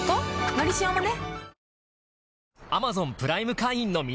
「のりしお」もね